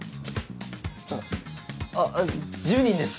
えっあっ１０人です！